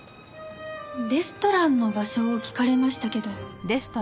レストランの場所を聞かれましたけど。